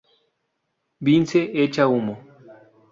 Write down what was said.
Vince echa humo.